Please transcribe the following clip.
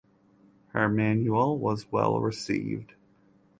Her manual was well received.